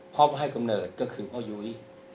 พ่อให้กำเนิดก็คือพ่อยุ้ย